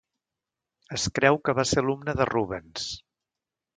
Es creu que va ser alumne de Rubens.